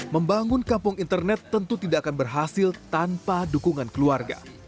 membangun kampung internet tentu tidak akan berhasil tanpa dukungan keluarga